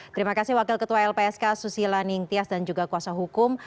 terima kasih wakil ketua lpsk susila ningtyas dan juga kuasa hukum